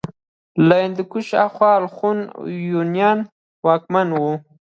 له هندوکش هاخوا الخون هونيان واکمن وو